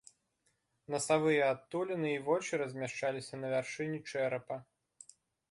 Насавыя адтуліны і вочы размяшчаліся на вяршыні чэрапа.